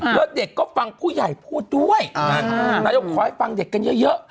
แล้วเด็กก็ฟังผู้ใหญ่พูดด้วยนายกขอให้ฟังเด็กกันเยอะ